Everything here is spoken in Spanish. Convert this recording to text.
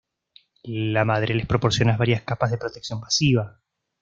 La madre les proporciona varias capas de protección pasiva.